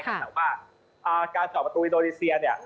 แต่ว่าการเจาะประตูอินโดนีเซียเนี่ย